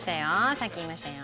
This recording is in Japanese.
さっき言いましたよ。